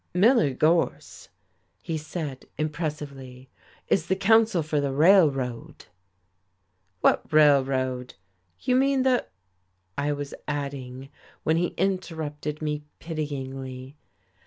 "Miller Gorse," he said impressively, "is the counsel for the railroad." "What railroad? You mean the " I was adding, when he interrupted me pityingly.